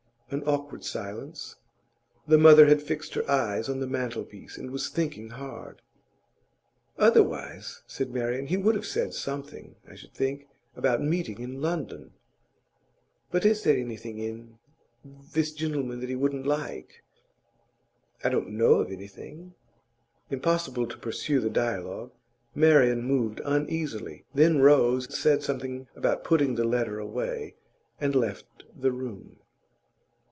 An awkward silence. The mother had fixed her eyes on the mantelpiece, and was thinking hard. 'Otherwise,' said Marian, 'he would have said something, I should think, about meeting in London.' 'But is there anything in this gentleman that he wouldn't like?' 'I don't know of anything.' Impossible to pursue the dialogue; Marian moved uneasily, then rose, said something about putting the letter away, and left the room.